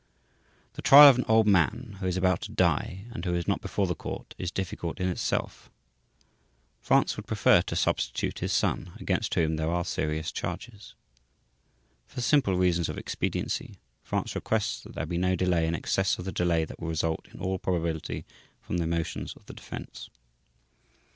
The trial of an old man who is about to die and who is not before the Court is difficult in itself. France would prefer to substitute his son against whom there are serious charges. For simple reasons of expediency, France requests that there be no delay in excess of the delay that will result in all probability from the motions of the Defense.